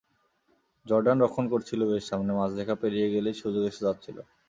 Jordan রক্ষণ করছিল বেশ সামনে, মাঝরেখা পেরিয়ে গেলেই সুযোগ এসে যাচ্ছিল।